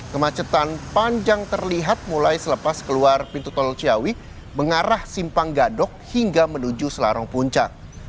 kemacetan panjang terlihat mulai selepas keluar pintu tol ciawi mengarah simpang gadok hingga menuju selarong puncak